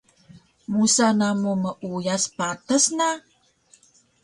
musa namu meuyas patas na?